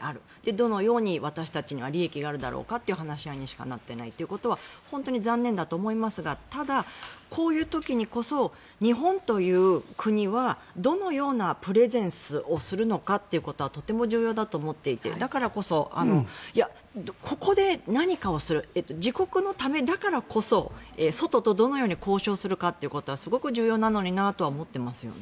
どのように私たちに利益があるのかという話にしかなっていないというのは本当に残念だと思いますがこういう時にこそ日本という国はどのようなプレゼンスをするのかということはとても重要だと思っていてだからこそいや、ここで何かをする自国のためだからこそ外とどのように交渉するかというのはすごく重要なのになとは思っていますね。